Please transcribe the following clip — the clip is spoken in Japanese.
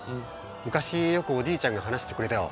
昔よくおじいちゃんが話してくれたよ。